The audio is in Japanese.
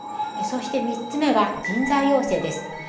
そして３つ目は「人材養成」です。